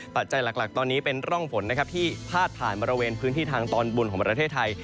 ปัจจัยหลักตอนนี้เป็นร่องฝนนะครับที่พาดผ่านบริเวณพื้นที่ทางตอนบนของประเทศไทย